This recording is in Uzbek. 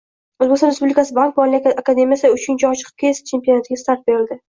O‘zbekiston Respublikasi Bank-moliya akademiyasida Uchinchi ochiq keys-chempionatiga start berildi